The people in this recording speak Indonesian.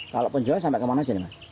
kalau penjual sampai kemana aja nih mas